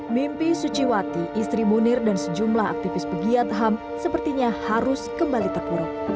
mimpi suciwati istri munir dan sejumlah aktivis pegiat ham sepertinya harus kembali terpuruk